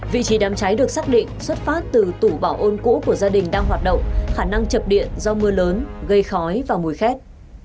vị trí đám cháy được xác định xuất phát từ tủ bảo ôn cũ của gia đình đang hoạt động khả năng chập điện do mưa lớn gây khói và mùi khét